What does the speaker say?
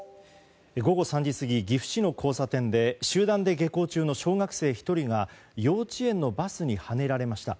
午後３時過ぎ岐阜市の交差点で集団で下校中の小学生１人が幼稚園のバスにはねられました。